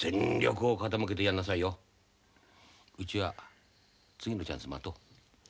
うちは次のチャンス待とう。